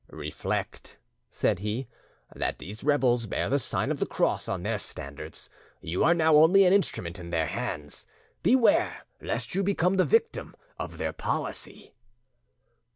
"Reflect," said he, "that these rebels bear the sign of the Cross on their standards. You are now only an instrument in their hands. Beware lest you become the victim of their policy."